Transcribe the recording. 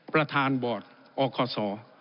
ประธานบอร์ดออกข้อสอ